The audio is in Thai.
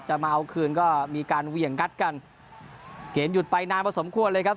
มาเอาคืนก็มีการเหวี่ยงงัดกันเกมหยุดไปนานพอสมควรเลยครับ